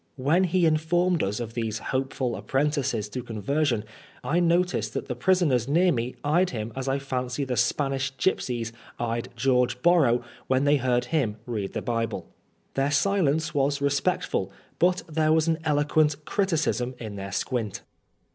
When he informed us of these hopeful apprentices to conversion, I noticed that the prisoners near me eyed him as I fancy the Spanish gypsies eyed George Borrow when they heard him read the Bible. Their silence was respectful, but there was an eloquent <3riticism in their squint.